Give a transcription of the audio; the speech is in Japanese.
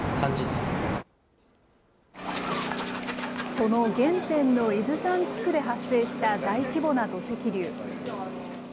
その原点の伊豆山地区で発生した大規模な土石流。